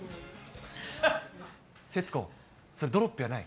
せつこ、それ、ドロップやない。